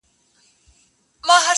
زه څلور ورځي مهلت درڅخه غواړم،